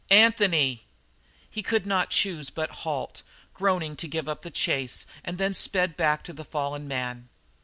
"Anthony!" He could not choose but halt, groaning to give up the chase, and then sped back to the fallen man.